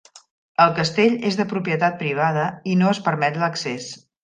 El castell és de propietat privada i no es permet l'accés.